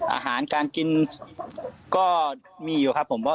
อาหารค่ะกินก็มีอยู่ครับผม